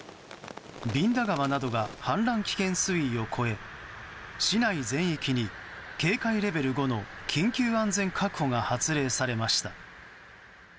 蛭田川などが氾濫危険水位を超え市内全域に警戒レベル５の緊急安全確保が発令されました。